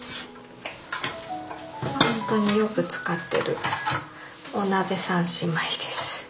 ほんとによく使ってる「お鍋三姉妹」です。